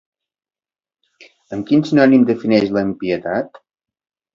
Amb quin sinònim defineix la impietat?